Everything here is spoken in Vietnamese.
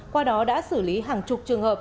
qua đó đã xử lý hàng chục trường hợp